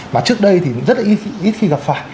mà trước đây thì rất là ít khi gặp phải